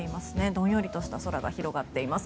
どんよりとした空が広がっています。